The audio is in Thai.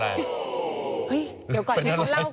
เดี๋ยวก่อนให้คนเล่าก่อน